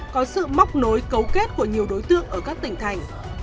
có sự móc nối cấu kết của nhiều đối tượng ở các tỉnh thành